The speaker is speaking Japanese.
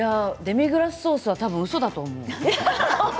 デミグラスソースはたぶんうそだと思う。